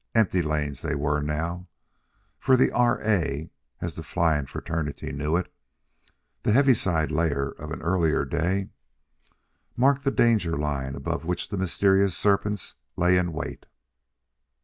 Empty lanes they were now; for the R. A., as the flying fraternity knew it the Heaviside Layer of an earlier day marked the danger line above which the mysterious serpents lay in wait.